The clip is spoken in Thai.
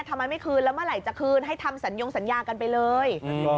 ทำไมไม่คืนแล้วเมื่อไหร่จะคืนให้ทำสัญญงสัญญากันไปเลย